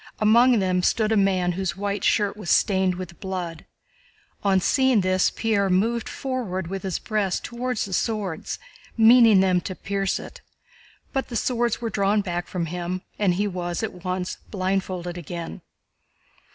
Among them stood a man whose white shirt was stained with blood. On seeing this, Pierre moved forward with his breast toward the swords, meaning them to pierce it. But the swords were drawn back from him and he was at once blindfolded again.